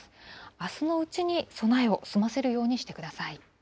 あすのうちに備えを済ませるようにしてください。